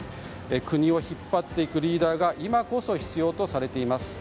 国を引っ張っていくリーダーが今こそ必要とされています。